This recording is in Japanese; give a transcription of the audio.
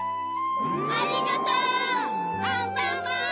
ありがとうアンパンマン！